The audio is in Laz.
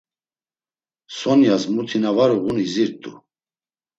Sonyas muti na var uğun izirt̆u.